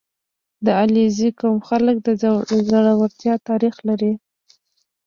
• د علیزي قوم خلک د زړورتیا تاریخ لري.